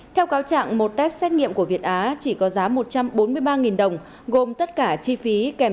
theo cáo trạng một test xét nghiệm của việt á chỉ có giá một trăm bốn mươi ba đồng gồm tất cả chi phí kèm